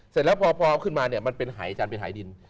เสร็จแล้วพอเอาขึ้นมาเนี่ยมันเป็นหายจันทร์เป็นหายดิน